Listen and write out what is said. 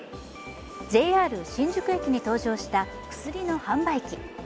ＪＲ新宿駅に登場した薬の販売機。